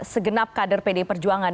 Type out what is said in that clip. segenap kader pdi perjuangan